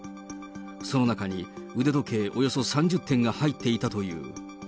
その中に、腕時計およそ３０点が入っていたという。